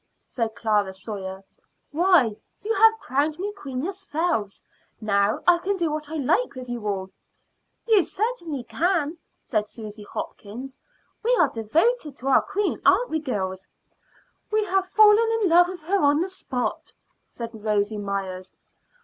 said Clara Sawyer. "Why, you have crowned me queen yourselves. Now I can do what I like with you all." "You certainly can," said Susy Hopkins. "We are devoted to our queen, aren't we, girls?" "We have fallen in love with her on the spot," said Rosy Myers.